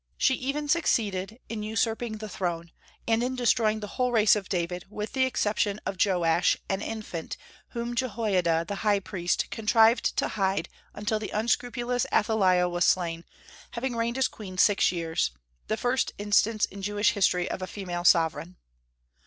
She even succeeded in usurping the throne, and in destroying the whole race of David, with the exception of Joash, an infant, whom Jehoiada the high priest contrived to hide until the unscrupulous Athaliah was slain, having reigned as queen six years, the first instance in Jewish history of a female sovereign.